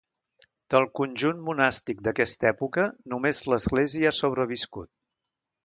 Del conjunt monàstic d'aquesta època, només l'església ha sobreviscut.